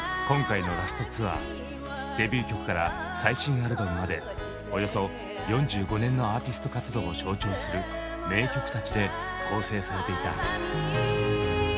今回のラスト・ツアーデビュー曲から最新アルバムまでおよそ４５年のアーティスト活動を象徴する名曲たちで構成されていた。